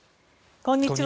こんにちは。